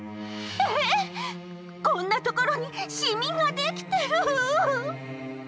え、こんなところにシミができてる！